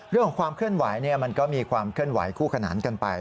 ความเคลื่อนไหวมันก็มีความเคลื่อนไหวคู่ขนานกันไป